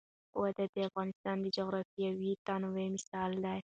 وادي د افغانستان د جغرافیوي تنوع مثال دی.